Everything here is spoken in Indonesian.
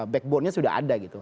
backbone nya sudah ada gitu